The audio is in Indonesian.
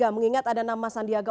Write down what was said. mengingat ada nama sandiaga